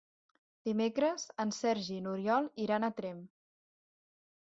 Dimecres en Sergi i n'Oriol iran a Tremp.